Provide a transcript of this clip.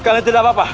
kalian tidak apa apa